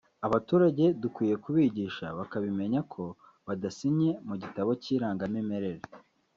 Abaturage dukwiye kubigisha bakabimenya ko badasinye mu gitabo cy’irangamimerere